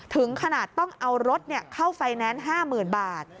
ถึงขนาดต้องเอารถเข้าไฟแนนซ์๕๐๐๐บาท